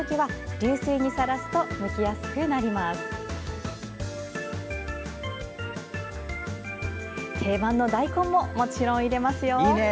定番の大根ももちろん入れますよ。